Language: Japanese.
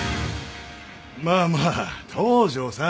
まあまあ東城さん。